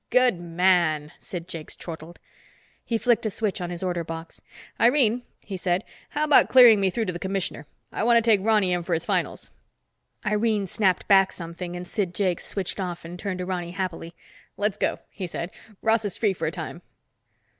"Good man!" Sid Jakes chortled. He flicked a switch on his order box. "Irene," he said, "how about clearing me through to the commissioner? I want to take Ronny in for his finals." Irene snapped back something and Sid Jakes switched off and turned to Ronny happily. "Let's go," he said. "Ross is free for a time."